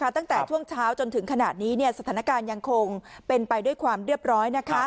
ตั้งแต่ช่วงเช้าจนถึงขณะนี้สถานการณ์ยังคงเป็นไปด้วยความเรียบร้อย